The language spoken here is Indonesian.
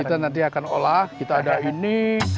kita nanti akan olah kita ada ini